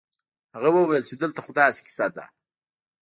هغه وويل چې دلته خو داسې کيسه ده.